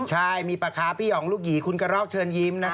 ใช่มีปักคร้าปพี่หย่องลูกหยีคุณกะเร่ากเชิญยิ้ม